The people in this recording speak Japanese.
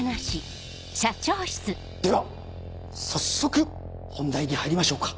では早速本題に入りましょうか。